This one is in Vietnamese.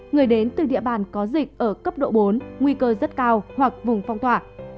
người đến từ địa bàn có dịch ở cấp độ bốn nguy cơ rất cao hoặc vùng phong tỏa